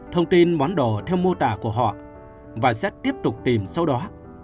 thông tin món đồ theo mô tả của họ và sẽ tiếp tục tìm sau đó